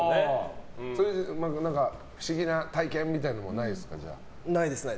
不思議な体験みたいなのもないですか？